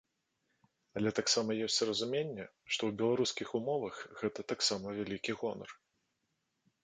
Але таксама ёсць разуменне, што ў беларускіх умовах гэта таксама вялікі гонар.